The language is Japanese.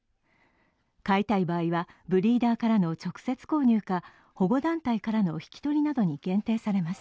飼いたい場合は、ブリーダーからの直接購入か保護団体からの引き取りなどに限定されます。